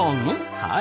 はい。